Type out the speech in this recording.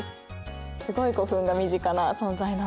すごい古墳が身近な存在なんです。